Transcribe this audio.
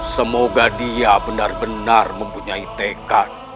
semoga dia benar benar mempunyai tekad